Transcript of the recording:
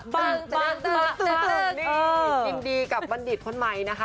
บ้าวเต้มตึกสาวดูกินดีกับบรรดิดคนใหม่นะคะ